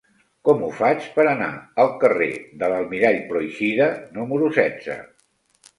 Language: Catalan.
Com ho faig per anar al carrer de l'Almirall Pròixida número setze?